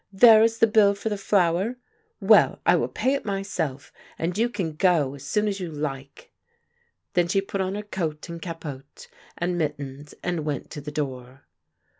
There is the bill for the flour? Well, I will pay it my self — and you can go as soon as you like !" Then she put on her coat and capote and mittens, and went to the door.